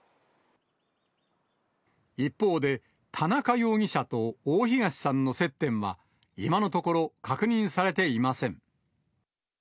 一方で、田中容疑者と大東さんの接点は、今のところ、確認されていません。